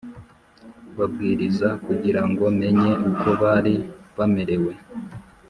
Babwiriza kugira ngo menye uko bari bamerewe